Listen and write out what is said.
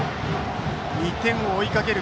２点を追いかける